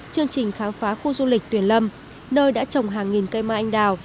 chương trình kháng phá khu du lịch tuyển lâm nơi đã trồng hàng nghìn cây mai anh đào